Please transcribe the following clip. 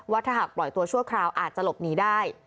ว่าถ้าหากปล่อยตัวชั่วคราวอาจจะหลบหนีได้